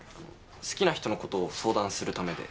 好きな人のことを相談するためで。